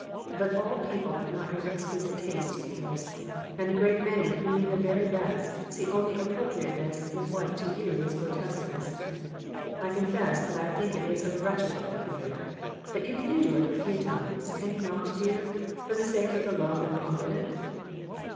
But all people have not your exquisite taste, of course ; and a great many who mean the very best, see only appropriateness in what to you is grotesqueness. I confess that I think it is a wretched looking affair, but you can endure it a few times, can you not, dear, for the sake of the love that prompted it